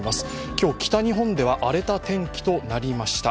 今日、北日本では荒れた天気となりました。